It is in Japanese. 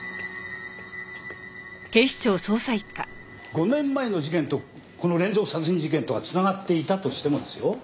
５年前の事件とこの連続殺人事件とがつながっていたとしてもですよ